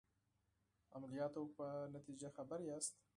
عملیاتو په نتیجه خبر یاست.